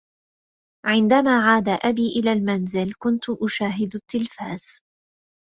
عندما عاد أبي إلى المنزل كنت أشاهد التلفاز.